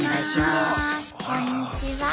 こんにちは。